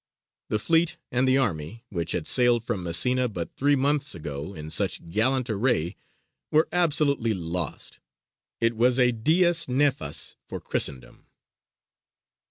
The fleet and the army which had sailed from Messina but three months ago in such gallant array were absolutely lost. It was a dies nefas for Christendom.